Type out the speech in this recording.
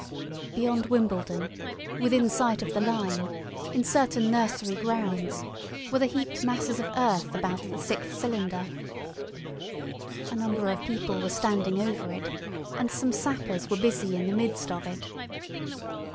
Beyond Wimbledon, within sight of the line, in certain nursery grounds, were the heaped masses of earth about the sixth cylinder. A number of people were standing about it, and some sappers were busy in the midst of it.